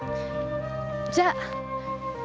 じゃあ。